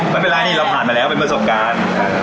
ไม่เป็นไรนี่เราผ่านมาแล้วเป็นประสบการณ์